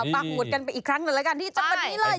ปักหมุดกันไปอีกครั้งหนึ่งแล้วกันที่จังหวัดนี้เลย